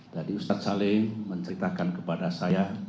tadi ustaz salim menceritakan kepada saya